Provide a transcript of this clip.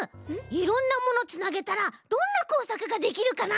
いろんなものつなげたらどんなこうさくができるかな？